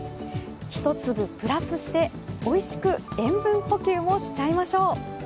一粒プラスして、おいしく塩分補給をしちゃいましょう。